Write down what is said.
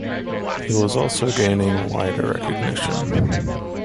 He was also gaining wider recognition.